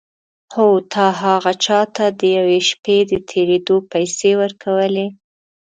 هو تا هغه چا ته د یوې شپې د تېرېدو پيسې ورکولې.